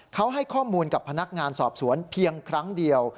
เขาให้ข้อมูลกับพนักงานสอบสวนเพียงครั้งเดียว